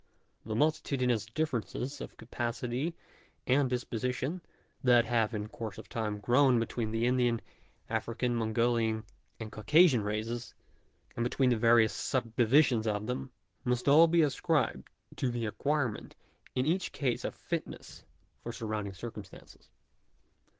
The multitudinous differences of capacity and disposition that have in course of time grown up between the Indian, African, Mongolian and Caucasian races, and between the various subdivisions of them, must all be ascribed to the acquirement in each case of fitness for surround ing circumstances.